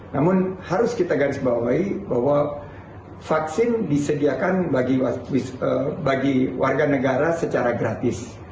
namun harus kita garis bawahi bahwa vaksin disediakan bagi warga negara secara gratis